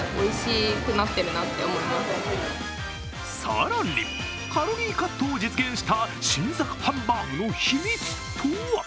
更にカロリーカットを実現した新作ハンバーグの秘密とは。